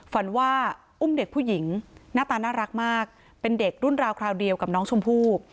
ฝันว่าอุ้มเด็กผู้หญิงหน้าตาน่ารักมากเป็นเด็กรุ่นราวคราวเดียวกับน้องชมพู่